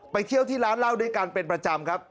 เที่ยวที่ร้านเหล้าด้วยกันเป็นประจำครับ